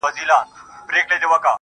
جانان ارمان د هره یو انسان دی والله.